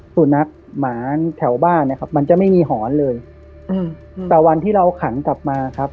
สุนัขหมาแถวบ้านนะครับมันจะไม่มีหอนเลยอืมแต่วันที่เราขันกลับมาครับ